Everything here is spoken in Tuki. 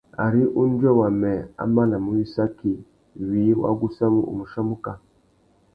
Ari undjuê wamê a manamú wissaki, wiï wa gussamú, u mù chia muká.